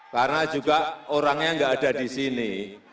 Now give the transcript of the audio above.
karena juga orangnya enggak ada di sini